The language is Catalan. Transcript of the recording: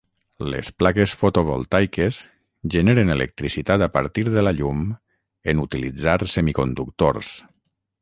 Les plaques fotovoltaiques generen electricitat a partir de la llum en utilitzar semiconductors.